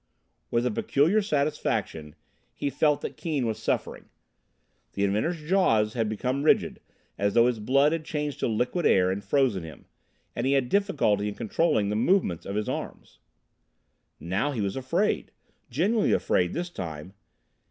With a peculiar satisfaction he felt that Keane was suffering. The inventor's jaws became rigid, as though his blood had changed to liquid air and frozen him, and he had difficulty in controlling the movements of his arms. Now he was afraid! Genuinely afraid, this time.